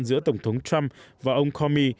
giữa tổng thống trump và ông comey